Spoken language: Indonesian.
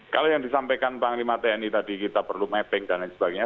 kalau yang disampaikan panglima tni tadi kita perlu mapping dan lain sebagainya